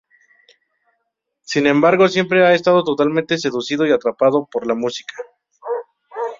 Sin embargo, siempre ha estado totalmente seducido y atrapado por la música.